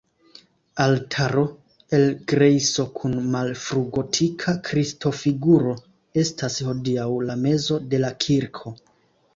Altaro el grejso kun malfrugotika Kristo-figuro estas hodiaŭ la mezo de la kirko.